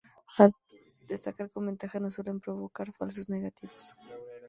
A destacar como ventaja no suelen provocar falsos negativos.